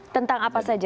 tentang apa saja pak